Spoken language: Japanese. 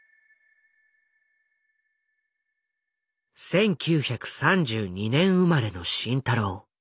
１９３２年生まれの慎太郎。